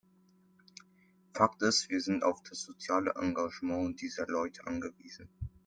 Fakt ist, wir sind auf das soziale Engagement dieser Leute angewiesen.